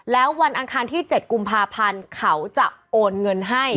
แล้ววันอังคารที่๗กุมภาพันธ์เขาจะโอนเงินให้